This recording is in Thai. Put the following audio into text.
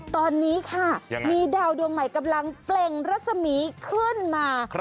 ตอนนี้ค่ะมีดาวดวงใหม่กำลังเปล่งรัศมีขึ้นมา